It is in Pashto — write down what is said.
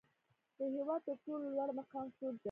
د هیواد تر ټولو لوړ مقام څوک دی؟